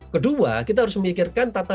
kedua kita harus memikirkan tata